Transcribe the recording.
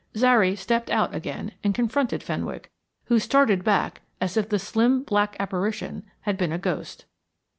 Zary stepped out again and confronted Fenwick, who started back as if the slim black apparition had been a ghost.